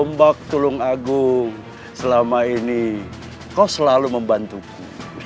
ombak tulung agung selama ini kau selalu membantuku